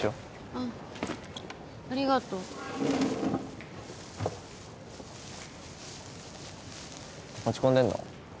うんありがとう落ち込んでんの？